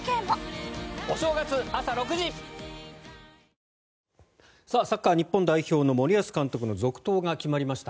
三井不動産グループサッカー日本代表の森保監督の続投が決まりました。